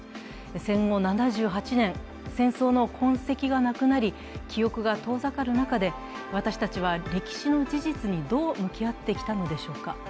戦後７８年、戦争の痕跡がなくなり記憶が遠ざかる中で、私たちは歴史の事実にどう向き合ってきたのでしょうか。